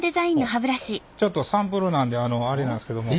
ちょっとサンプルなんであれなんですけども。